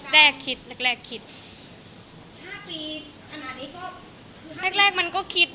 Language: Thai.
แต่ถ้าจะได้แต้งโรงแรมวิทีสเนค